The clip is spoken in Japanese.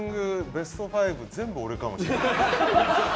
ベスト５全部俺かもしれない。